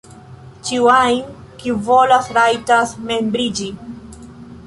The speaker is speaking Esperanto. Ĉiu ajn kiu volas, rajtas membriĝi.